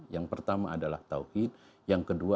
yang pertama adalah tauhid yang kedua